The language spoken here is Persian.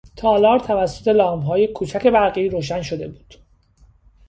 تالار توسط لامپهای کوچک برقی روشن شده بود.